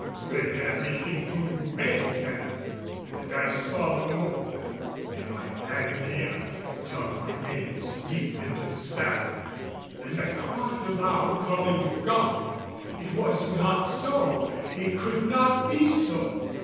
Then everything grew red again and I saw no more. In my agony I dug my nails deep into the sand and I cried aloud, calling to God. It was not so! It could not be so!